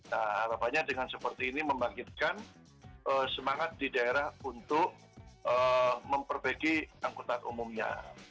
nah harapannya dengan seperti ini membangkitkan semangat di daerah untuk memperbaiki angkutan umumnya